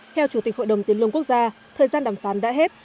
theo chủ tịch hội đồng tiến lương quốc gia thời gian đàm phán đã hết